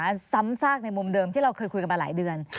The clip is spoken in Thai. คุยเรื่องเนื้อหาซ้ำซากในมุมเดิมที่เราเคยคุยกันมาหลายเดือน